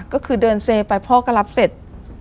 ก็คือเดินเซไปพ่อก็รับเสร็จ